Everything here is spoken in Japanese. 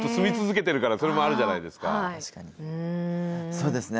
そうですね